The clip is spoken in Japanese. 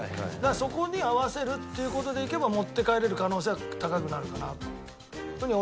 そこに合わせるっていう事でいけば持って帰れる可能性は高くなるかなと俺は思うよ。